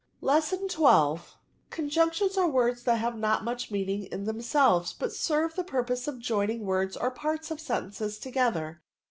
LsissoN XII. '* Conjunctions are words that have not much meaning in themselveSj but serve the purpose of joining words or parts of sen tences together.